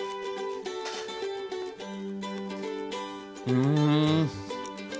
うん。